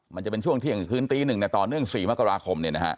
มันจะเป็นช่วงเที่ยงคืนตี๑ต่อเนื่อง๔มกราคม